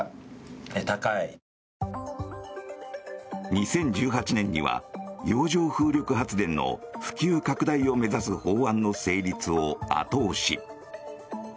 ２０１８年には洋上風力発電の普及拡大を目指す法案の成立を後押し。